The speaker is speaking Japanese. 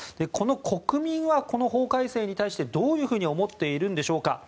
この国民はこの法改正に対してどう思っているのでしょうか。